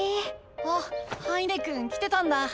あっ羽稲くん来てたんだ。